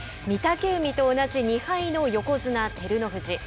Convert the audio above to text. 御嶽海と同じ２敗の横綱・照ノ富士。